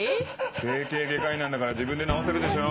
整形外科医なんだから自分で治せるでしょう。